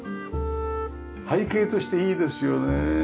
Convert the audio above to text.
背景としていいですよね。